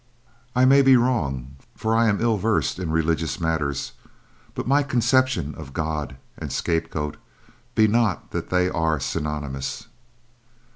I may be wrong, for I am ill versed in religious matters, but my conception of God and scapegoat be not that they are synonymous."